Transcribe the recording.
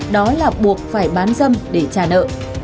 đó là buộc phải bán dâm để trả nợ